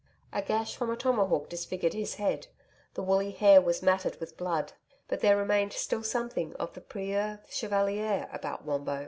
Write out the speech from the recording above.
A gash from a tomahawk disfigured his head; the woolly hair was matted with blood. But there remained still something of the PREUX CHEVALIER about Wombo.